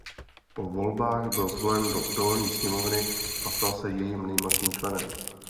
Po volbách byl zvolen do Dolní sněmovny a stal se jejím nejmladším členem.